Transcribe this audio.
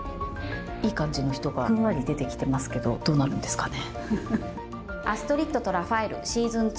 いい感じの人がふんわり出てきてますけどどうなるんですかね。